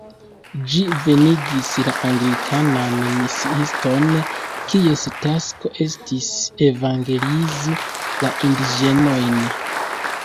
Ĝi venigis la anglikanan misiiston, kies tasko estis evangelizi la indiĝenojn.